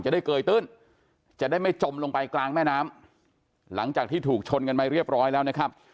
ได้เกยตื้นจะได้ไม่จมลงไปกลางแม่น้ำหลังจากที่ถูกชนกันไปเรียบร้อยแล้วนะครับ